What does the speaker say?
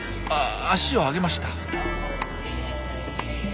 あ足を上げました。